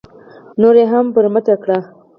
نور یې هم برمته کړه.